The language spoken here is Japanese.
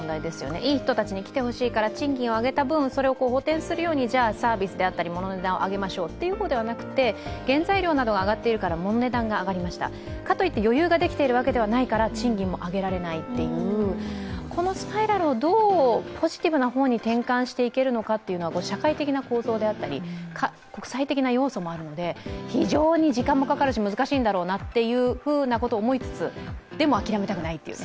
いい人たちに来てほしいから賃金を上げた分それを補填するようにサービスであったり物の値段を上げましょうということではなくて原材料などが上がっているから物の値段が上がりました、かといって余裕ができているわけではないから賃金も上げられないというこのスパイラルをどうしていくのかは社会的な構造であったり国際的な要素もあるので非常に時間もかかるし難しいんだろうなと思いつつでも、諦めたくないっていうね。